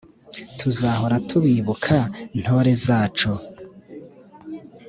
tuzahora tubibuka ntore zacu